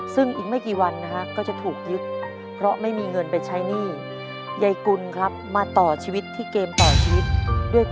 ซึ่งอีกไม่กี่วันนะฮะก็จะถูกยึด